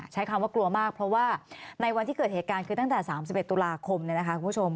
ใช้คำว่ากลัวมากเพราะว่าในวันที่เกิดเหตุการณ์คือตั้งแต่๓๑ตุลาคมเนี่ยนะคะคุณผู้ชม